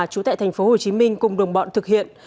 chú tệ tp hcm cùng đồng bọn thực hiện